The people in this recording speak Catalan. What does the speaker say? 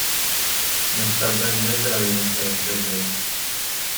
No se sap res més de la dinastia després d'ells.